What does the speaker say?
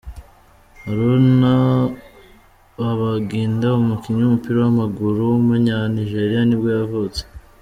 Haruna Babangida, umukinnyi w’umupira w’amaguru w’umunyanigeria nibwo yavutse.